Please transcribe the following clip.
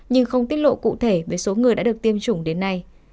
nhưng không tiết lộ cụ thể về số người đã được tiêm chủng đến nay